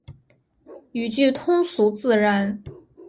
语句通俗自然